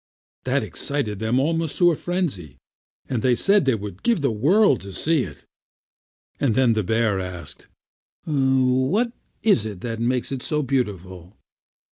That excited them almost to a frenzy, and they said they would give the world to see it. Then the bear asked: "What is it that makes it so beautiful?"